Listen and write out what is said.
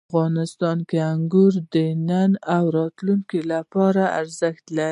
افغانستان کې انګور د نن او راتلونکي لپاره ارزښت لري.